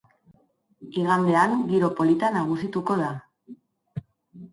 Igandean giro polita nagusituko da.